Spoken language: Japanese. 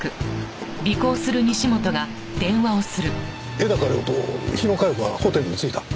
絵高良と日野佳代子がホテルに着いた。